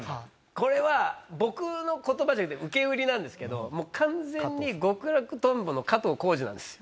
これは僕の言葉じゃなくて受け売りなんですけど完全に極楽とんぼの加藤浩次なんですよ。